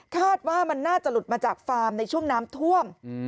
คาดว่ามันน่าจะหลุดมาจากฟาร์มในช่วงน้ำท่วม